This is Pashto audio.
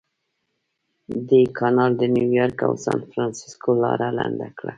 دې کانال د نیویارک او سانفرانسیسکو لاره لنډه کړه.